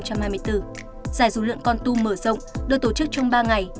giải dù lượn con tum mở rộng được tổ chức trong ba ngày